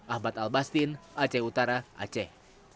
ahmad al bastin aceh utara aceh